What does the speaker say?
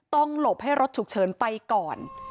หลบให้รถฉุกเฉินไปก่อน